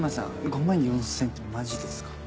５万４０００ってマジですか？